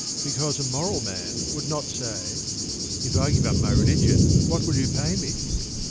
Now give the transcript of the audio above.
Because a moral man would not say: "If I give up my religion, what will you pay me?"